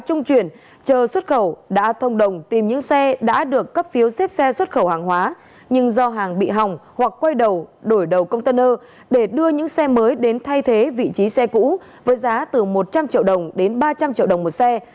chờ trung chuyển đã thông đồng tìm những xe đã được cấp phiếu xếp xe xuất khẩu hàng hóa nhưng do hàng bị hỏng hoặc quay đầu đổi đầu container để đưa những xe mới đến thay thế vị trí xe cũ với giá từ một trăm linh triệu đồng đến ba trăm linh triệu đồng một xe